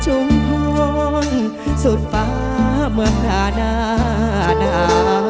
ชุมพวงสุดฟ้าเมืองทานานา